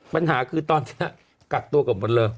ปัญหาคือตอนที่กักตัวกับบนเริ่ม